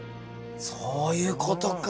そういうことか。